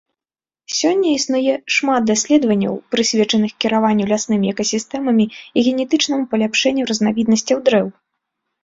Сёння існуе шмат даследаванняў, прысвечаных кіраванню ляснымі экасістэмамі і генетычнаму паляпшэнню разнавіднасцяў дрэў.